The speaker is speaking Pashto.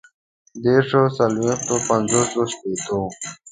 ديرشو، څلويښتو، پنځوسو، شپيتو